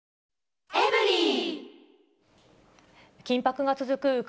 緊迫が続く